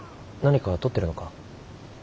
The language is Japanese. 何か撮ってるのか？